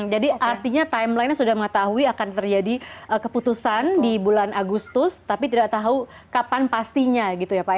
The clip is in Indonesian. jadi artinya timelinenya sudah mengetahui akan terjadi keputusan di bulan agustus tapi tidak tahu kapan pastinya gitu ya pak ya